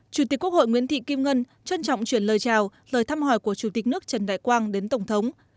chủ tịch quốc hội nguyễn thị kim ngân trân trọng chuyển lời chào lời thăm hỏi của chủ tịch nước trần đại quang đến tổng thống